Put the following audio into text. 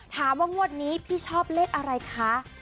ถามว่างวดนี้พี่ชอบเลขอะไรคะ